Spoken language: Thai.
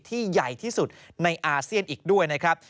ใหญ่ที่สุดในอาเซียนอีกด้วยนะครับ